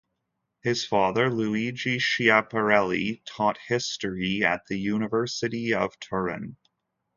His father Luigi Schiaparelli taught history at the University of Turin.